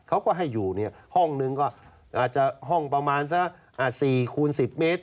เขาก็ให้อยู่เนี่ยห้องนึงก็อาจจะห้องประมาณสัก๔คูณ๑๐เมตร